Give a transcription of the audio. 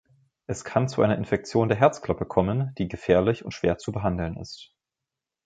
Es kann zu einer Infektion der Herzklappe kommen, die gefährlich und schwer zu behandeln ist.